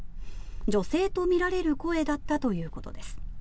女性とみられる声だったということです。